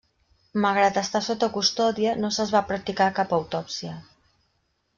Malgrat estar sota custòdia, no se'ls va practicar cap autòpsia.